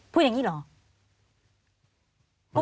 พูดอย่างนี้เหรอ